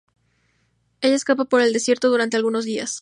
Ella escapa por el desierto durante algunos días.